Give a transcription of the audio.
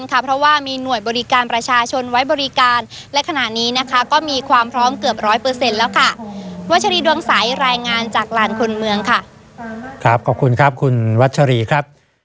การประชาชนไว้บริการและขณะนี้นะคะก็มีความพร้อมเกือบร้อยเปอร์เซ็นต์แล้วค่ะวัชรีดวงสายรายงานจากหลานคุณเมืองค่ะครับขอบคุณครับคุณวัชรีครับ